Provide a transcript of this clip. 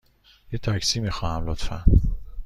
یه تاکسی می خواهم، لطفاً.